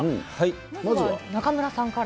まずは中村さんから。